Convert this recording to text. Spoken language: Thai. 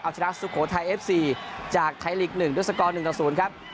อาจารย์สุโขทัยเอฟสี่จากหนึ่งด้วยสกรอบหนึ่งตะศูนย์ครับ